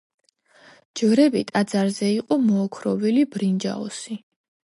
ჯვრები ტაძარზე იყო მოოქროვილი ბრინჯაოსი.